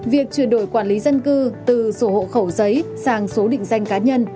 việc chuyển đổi quản lý dân cư từ sổ hộ khẩu giấy sang số định danh cá nhân